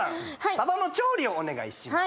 サバの調理をお願いします